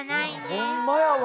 ほんまやわ！